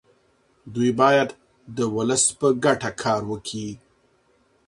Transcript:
دوی باید د ولس په ګټه کار وکړي.